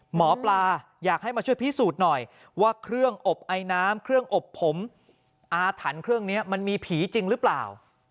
หมอปลาอยากให้มาช่วยพิสูจน์หน่อยว่าเครื่องอบไอน้ำเครื่องอบผมอาถรรพ์เครื่องนี้มันมีผีจริงหรือเปล่า